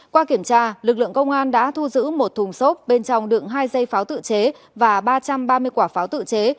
qua kiểm tra lực lượng công an đã thu giữ một thùng xốp bên trong đựng hai dây pháo tự chế và ba trăm ba mươi quả pháo tự chế